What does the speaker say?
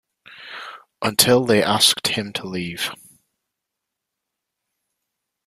Until they asked him to leave.